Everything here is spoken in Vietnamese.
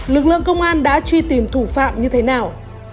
lực lượng công an đã truy tìm thủ phạm như thế nào